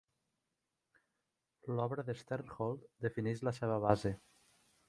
L'obra d'Sternhold defineix la seva base.